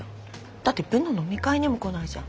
だって部の飲み会にも来ないじゃん。